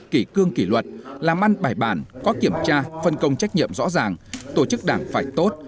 kỷ cương kỷ luật làm ăn bài bản có kiểm tra phân công trách nhiệm rõ ràng tổ chức đảng phải tốt